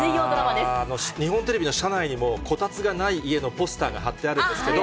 日本テレビの社内にも、コタツがない家のポスターが貼ってあるんですけど。